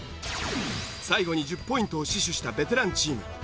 最後に１０ポイントを死守したベテランチーム。